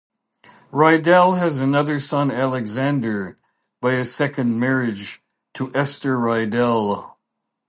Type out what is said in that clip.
Rydell has another son Alexander, by his second marriage, to Esther Rydell.